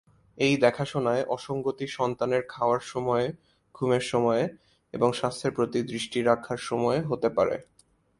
এই দেখাশোনায় অসঙ্গতি সন্তানের খাওয়ার সময়ে, ঘুমের সময়ে, এবং স্বাস্থ্যের প্রতি দৃষ্টি রাখার সময়ে হতে পারে।